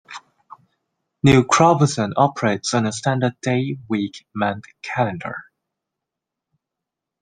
New Crobuzon operates on a standard day, week, month calendar.